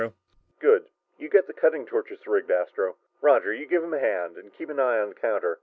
"Good. You get the cutting torches rigged, Astro. Roger, you give him a hand and keep your eye on the counter.